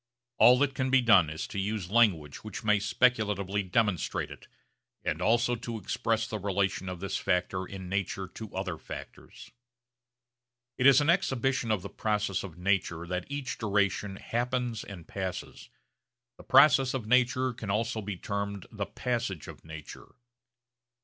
All that can be done is to use language which may speculatively demonstrate it, and also to express the relation of this factor in nature to other factors. It is an exhibition of the process of nature that each duration happens and passes. The process of nature can also be termed the passage of nature.